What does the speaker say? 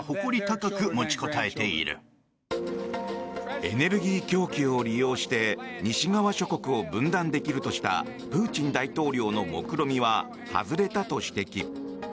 エネルギー供給を利用して西側諸国を分断できるとしたプーチン大統領のもくろみは外れたと指摘。